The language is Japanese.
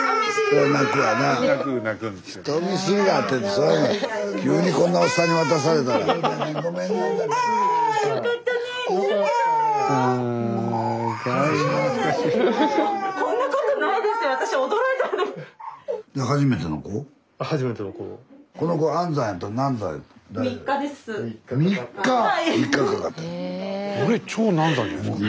スタジオこれ超難産じゃないですか。